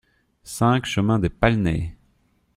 cinq chemin des Palnaies